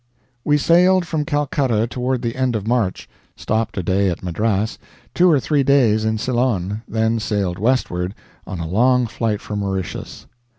We sailed from Calcutta toward the end of March; stopped a day at Madras; two or three days in Ceylon; then sailed westward on a long flight for Mauritius.